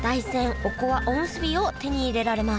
おむすびを手に入れられます